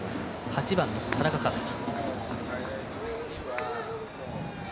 ８番の田中和基。